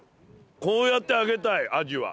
こうやって揚げたいアジは。